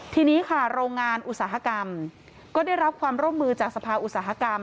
ทีนี้ค่ะโรงงานอุตสาหกรรมก็ได้รับความร่วมมือจากสภาอุตสาหกรรม